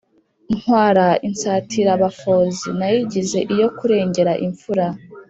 Ntwara insatirabafozi, nayigize iyo kurengera imfura.